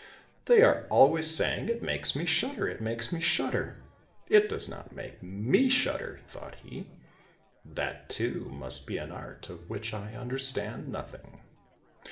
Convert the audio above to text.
"They are always saying 'it makes me shudder, it makes me shudder!' It does not make me shudder," thought he. "That, too, must be an art of which I understand nothing."